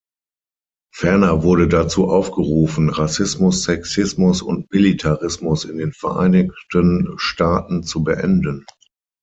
Ferner wurde dazu aufgerufen, Rassismus, Sexismus und Militarismus in den Vereinigten Staaten zu beenden.